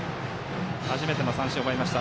初めての三振を奪いました。